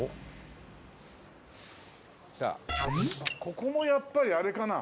「ここもやっぱりあれかな？」